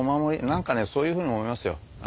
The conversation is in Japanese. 何かねそういうふうに思いますよ。